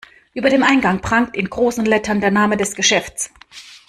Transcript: Über dem Eingang prangt in großen Lettern der Name des Geschäfts.